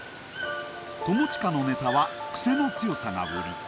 友近のネタは癖の強さが売り。